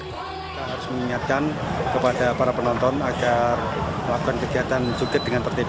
kita harus mengingatkan kepada para penonton agar melakukan kegiatan sukir dengan tertib